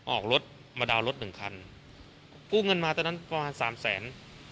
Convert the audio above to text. ออกรถมาดาวน์รถหนึ่งคันกู้เงินมาตอนนั้นประมาณสามแสน